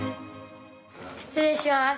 失礼します。